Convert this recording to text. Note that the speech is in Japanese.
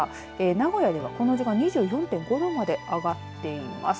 名古屋ではこの時間に２４．５度まで上がっています。